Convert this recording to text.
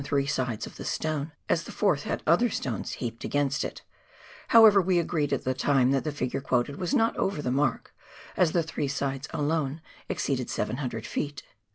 three sides of tlie stone, as the fourth had other stones heaped against it ; however, we agreed at the time that the figure quoted was not over the mark, as the three sides alone ex ceeded 700 ft.